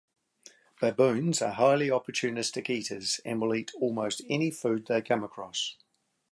Baboons are highly opportunistic eaters and will eat almost any food they come across.